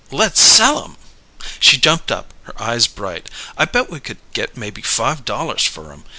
"Let's sell 'em!" She jumped up, her eyes bright. "I bet we could get maybe five dollars for 'em.